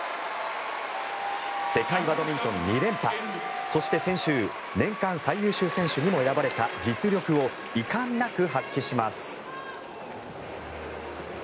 世界バドミントン２連覇そして、先週年間最優秀選手にも選ばれた実力を遺憾なく発揮します。